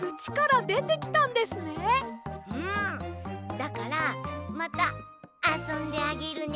だからまたあそんであげるね。